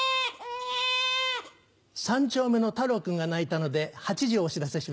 ３丁目のタロウ君が泣いたので８時をお知らせします。